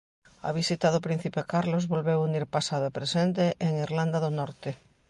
A visita do Príncipe Carlos volveu unir pasado e presente en Irlanda do Norte.